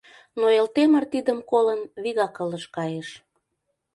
Но Элтемыр, тидым колын, вигак ылыж кайыш.